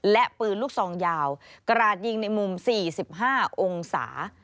และปืนลูกซองยาวกราดยิงในมุม๔๕องศา